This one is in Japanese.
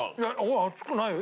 熱くないよ。